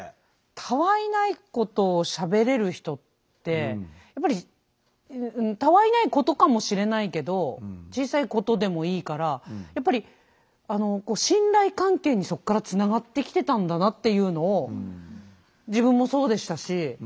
たわいないことをしゃべれる人ってたわいないことかもしれないけど小さいことでもいいからやっぱり信頼関係にそこからつながってきてたんだなっていうのを自分もそうでしたし。